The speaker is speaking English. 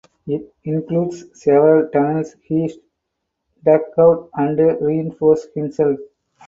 It includes several tunnels Heist dug out and reinforced himself.